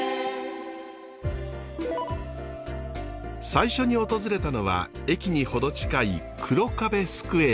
最初に訪れたのは駅に程近い黒壁スクエア。